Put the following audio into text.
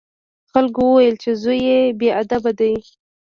خلکو وویل چې زوی یې بې ادبه دی.